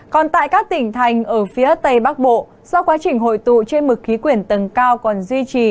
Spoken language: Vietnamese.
còn tại các tỉnh thành ở phía tây bắc bộ do quá trình hội tụ trên mực khí quyển tầng cao còn duy trì